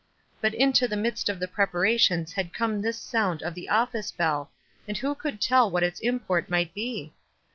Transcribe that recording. But into the midst of the preparations had come this sound of the office bell, and who could tell what its import might be?